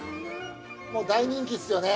もう、大人気っすよね。